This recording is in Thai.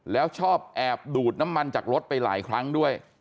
แล้วชอบแอบดูดน้ำมันจากรถไปหลายครั้งด้วย